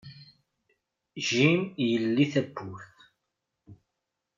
Jim yeldi tawwurt.